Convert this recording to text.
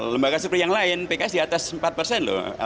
lembaga seperti yang lain pks diatas empat persen loh